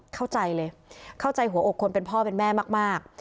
เข้าใจเลยเข้าใจหัวอกคนเป็นพ่อเป็นแม่มาก